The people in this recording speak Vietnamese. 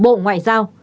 hai bộ ngoại giao